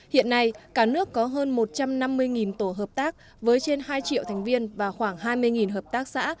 hiện nay cả nước có hơn một trăm năm mươi tổ hợp tác với trên hai triệu thành viên và khoảng hai mươi hợp tác xã